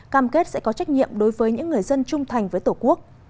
cam kết sẽ có trách nhiệm đối với những người dân trung thành với tổ quốc